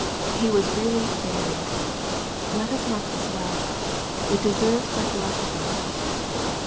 He was really " buried." Let us mark this well. It deserves recollection.